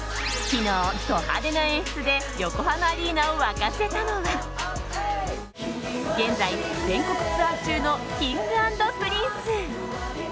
昨日、ド派手な演出で横浜アリーナを沸かせたのは現在、全国ツアー中のＫｉｎｇ＆Ｐｒｉｎｃｅ。